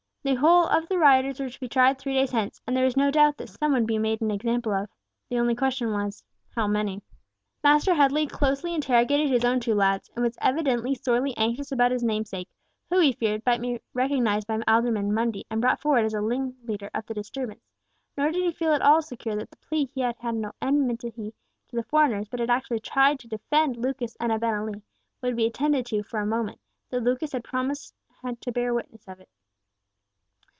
The whole of the rioters were to be tried three days hence, and there was no doubt that some would be made an example of, the only question was, how many? Master Headley closely interrogated his own two lads, and was evidently sorely anxious about his namesake, who, he feared, might be recognised by Alderman Mundy and brought forward as a ringleader of the disturbance; nor did he feel at all secure that the plea that he had no enmity to the foreigners, but had actually tried to defend Lucas and Abenali, would be attended to for a moment, though Lucas Hansen had promised to bear witness of it.